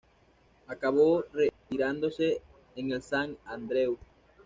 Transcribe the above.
Acabó retirándose en el Sant Andreu.